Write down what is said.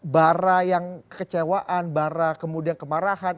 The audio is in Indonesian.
bara yang kecewaan bara kemudian kemarahan